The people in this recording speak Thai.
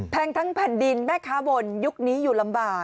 ทั้งแผ่นดินแม่ค้าวนยุคนี้อยู่ลำบาก